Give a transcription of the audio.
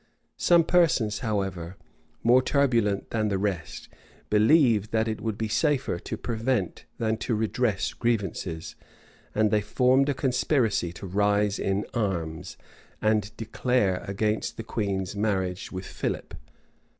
Some persons, however, more turbulent than the rest, believed that it would be safer to prevent than to redress grievances; and they formed a conspiracy to rise in arms, and declare against the queen's marriage with Philip.